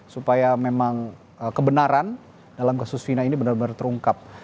supaya memang kebenaran dalam kasus fina ini benar benar terungkap